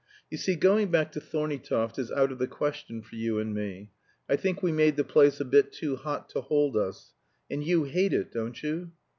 "You see, going back to Thorneytoft is out of the question for you and me. I think we made the place a bit too hot to hold us. And you hate it, don't you?"